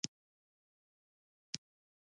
د کرنیزو تولیداتو لپاره باید سړه زېرمې جوړې شي.